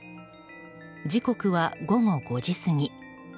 時刻は午後５時過ぎ。